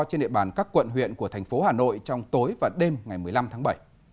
trên địa bàn các quận huyện của thành phố hà nội trong tối và đêm ngày một mươi năm tháng bảy